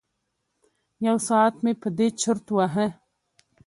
یو ساعت مې په دې چرت وهه.